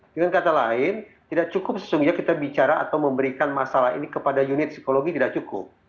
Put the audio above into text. dengan kata lain tidak cukup sesungguhnya kita bicara atau memberikan masalah ini kepada unit psikologi tidak cukup